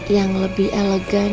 yang lebih elegan